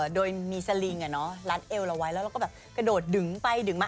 โดยมีสลิงรัดเอวเราไว้แล้วเราก็แบบกระโดดดึงไปดึงมา